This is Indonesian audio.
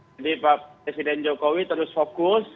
jadi presiden jokowi terus fokus